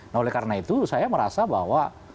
nah oleh karena itu saya merasa bahwa